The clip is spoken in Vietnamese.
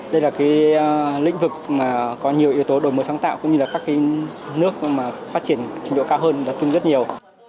đây là cái lĩnh vực mà có nhiều yếu tố đổi mối sáng tạo cũng như là các cái nước mà phát triển trình độ cao hơn đã tương ứng rất nhiều